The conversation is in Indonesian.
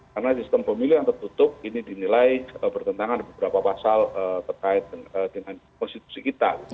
karena sistem pemilu yang tertutup ini dinilai bertentangan beberapa pasal terkait dengan konstitusi kita